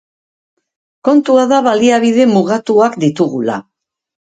Kontua da baliabide mugatuak ditugula.